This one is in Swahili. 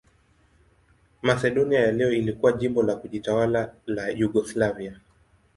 Masedonia ya leo ilikuwa jimbo la kujitawala la Yugoslavia.